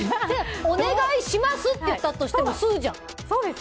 お願いしますって言ったとしても酢じゃん！